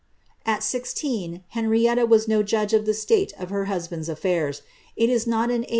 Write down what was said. At sixteen, Henrietta was do judge of the state of her husband's affidrs ; it is not an HlXmilTTA MAEIA.